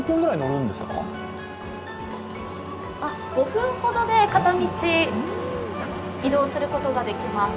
５分ほどで移動することができます